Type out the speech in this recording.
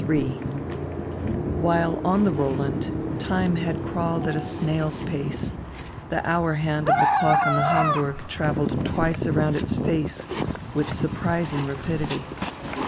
LIII While on the Roland, time had crawled at a snail's pace, the hour hand of the clock on the Hamburg travelled twice around its face with surprising rapidity.